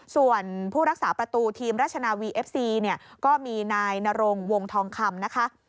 ส่วนผู้รักษาประตูทีมราชนาวีเอฟซีเนี่ยก็มีนายนรงวงทองคำนะคะ